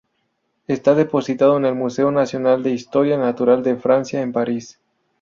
Está depositado en el Museo Nacional de Historia Natural de Francia en París.